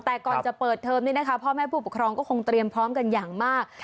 แต่ก่อนจะเปิดเทอมนี้นะคะพ่อแม่ผู้ปกครองก็คงเตรียมพร้อมกันอย่างมาก